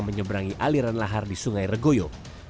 menyeberangi aliran lahar di sungai regoyo